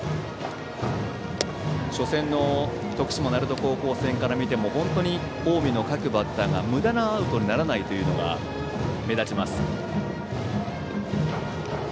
初戦の徳島・鳴門高校戦から見ても本当に近江の各バッターがむだなアウトにならないのが目立ちます。